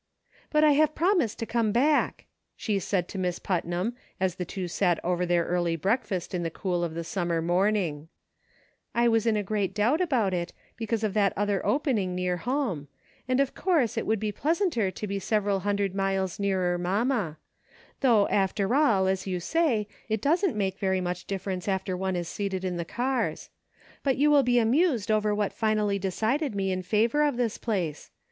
" But I have promised to come back," she said to Miss Putnam as the two sat over their early breakfast in the cool of the summer morning, " I was in great doubt about it, because of that other opening nearer home ; and of course it would be pleasanter to be several hundred miles nearer mamma ; though after all, as you say, it doesn't make very much difference after one is seated in the cars. But you will be amused over what finally decided me in favor of this place.